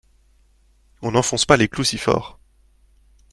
On n’enfonce pas les clous si fort.